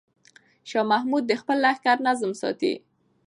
شاه محمود د خپل لښکر نظم ساتي.